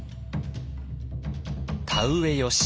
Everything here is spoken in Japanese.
「田うえよし」